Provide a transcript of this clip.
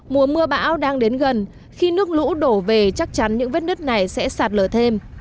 mùa mưa bão đang đến gần khi nước lũ đổ về chắc chắn những vết nứt này sẽ sạt lở thêm